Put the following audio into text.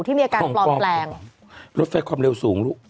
ที่มีอาการปลอมแปลงรถไฟความเร็วสูงลูก